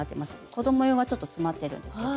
子ども用はちょっとつまってるんですけど。